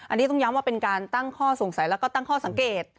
อันนี้ต้องย้ำว่าเป็นการตั้งข้อสงสัยแล้วก็ตั้งข้อสังเกต